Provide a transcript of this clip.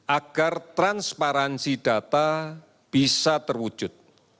agar transparansi data bisa terwujud